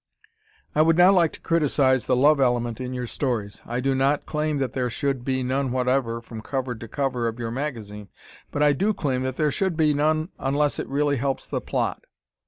I would now like to criticize the love element in your stories. I do not claim that there should be none whatever from cover to cover of your magazine, but I do claim that there should be none unless it really helps the plot.